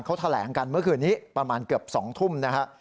เขาแถลงกันเมื่อคืนนี้ประมาณเกือบ๒ทุ่มนะฮะ